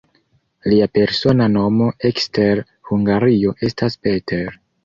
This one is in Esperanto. Lia persona nomo ekster Hungario estas "Peter".